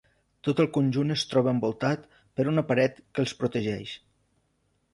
Tot el conjunt es troba envoltat per una paret que els protegeix.